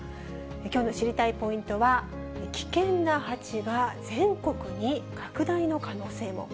きょうの知りたいポイントは、危険なハチが全国に拡大の可能性も。